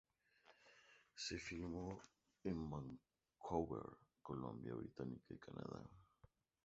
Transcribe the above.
Se filmó en Vancouver, Columbia Británica, Canadá.